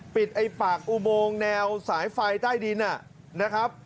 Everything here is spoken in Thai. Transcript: ไอ้ปากอุโมงแนวสายไฟใต้ดินนะครับ